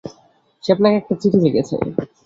সে আপনাকে একটা চিঠি লিখেছে।